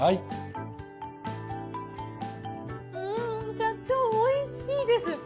社長おいしいです。